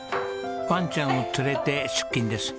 ワンちゃんを連れて出勤です。